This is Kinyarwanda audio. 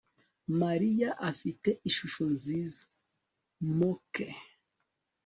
mariya afite ishusho nziza. (mookeee